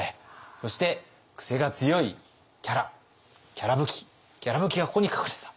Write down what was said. そしてクセが強いキャラキャラぶき「きゃらぶき」がここに隠れてた。